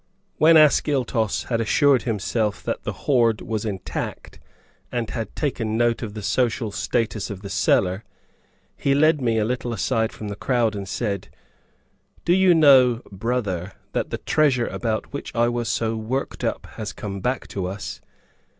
When Ascyltos had assured himself that the hoard was intact, and had taken note of the social status of the seller, he led me a little aside from the crowd and said, "Do you know, 'brother,' that the treasure about which I was so worked up has come back to us?